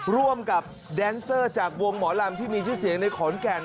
ร่วมกับแดนเซอร์จากวงหมอลำที่มีชื่อเสียงในขอนแก่น